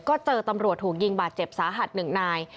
ก็เจอตำรวจถูกยิงบาดเจ็บสาหัสหนึ่งนาย